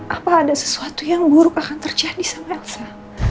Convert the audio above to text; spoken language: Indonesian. apa ada sesuatu yang buruk akan terjadi sang elsa